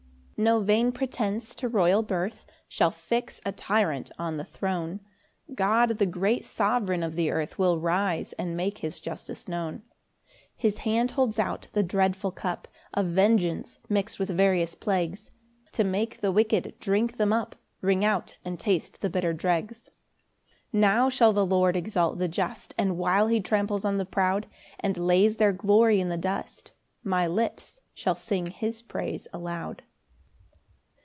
6 No vain pretence to royal birth Shall fix a tyrant on the throne: God the great sovereign of the earth Will rise and make his justice known. 7 [His hand holds out the dreadful cup Of vengeance, mix'd with various plagues, To make the wicked drink them up, Wring out and taste the bitter dregs. 8 Now shall the Lord exalt the just, And while he tramples on the proud, And lays their glory in the dust, My lips shall sing his praise aloud.